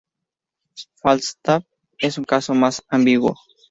Falstaff es un caso más ambiguo.